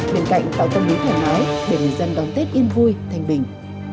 bên cạnh tạo tâm lý thoải mái để người dân đón tết yên vui thanh bình